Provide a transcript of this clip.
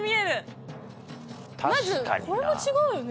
まずこれは違うよね。